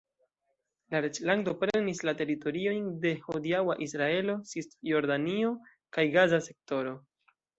La reĝlando prenis la teritoriojn de hodiaŭa Israelo, Cisjordanio kaj Gaza Sektoro.